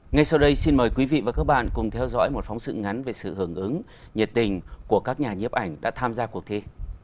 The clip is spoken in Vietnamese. ngay sau đây xin mời quý vị và các bạn cùng theo dõi một phóng sự ngắn về sự hưởng ứng nhiệt tình của các nhà nhiếp ảnh đã tham gia cuộc thi